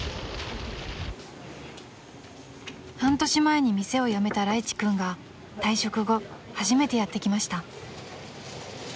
［半年前に店を辞めたらいち君が退職後初めてやって来ました］